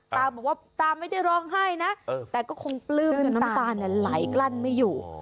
ตาบอกว่าตาไม่ได้ร้องไห้นะแต่ก็คงปลื้มจนน้ำตาลไหลกลั้นไม่อยู่